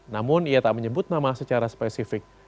namun ia tak menyebut nama secara spesifik